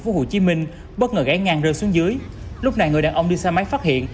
phố hồ chí minh bất ngờ gãy ngang rơi xuống dưới lúc này người đàn ông đi xe máy phát hiện